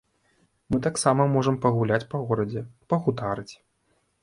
Мы таксама можам пагуляць па горадзе, пагутарыць.